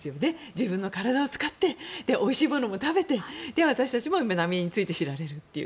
自分の体を使っておいしいものも食べてで、私たちも浪江について知ることができるという。